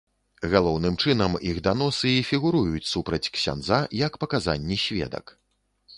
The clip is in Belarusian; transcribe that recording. Галоўным чынам іх даносы і фігуруюць супраць ксяндза як паказанні сведак.